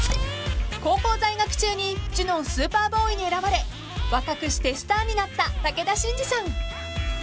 ［高校在学中にジュノンスーパーボーイに選ばれ若くしてスターになった武田真治さん］